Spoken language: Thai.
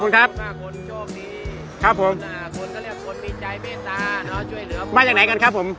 คนก็เรียกคนมีใจเบตตาแล้วช่วยเหลือบ้านจากไหนกันครับผม